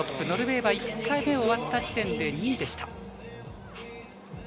ノルウェーは１回目が終わった時点では２位でした。